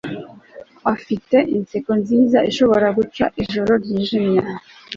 Afite inseko nziza ishobora gucana ijoro ryijimye